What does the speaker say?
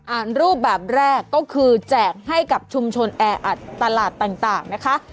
รูปแบบแรกก็คือแจกให้กับชุมชนแออัดตลาดต่างนะคะ